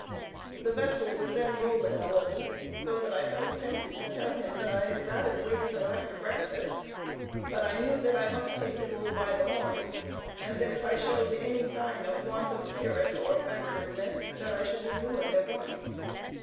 The vessel was then rolling a little, and I had taken no sustenance for three days, so that I felt tempted to tell him that I had rather wait till after breakfast; but I knew that I must "take the bull by the horns," and that if I showed any sign of want of spirit or of backwardness, that I should be ruined at once.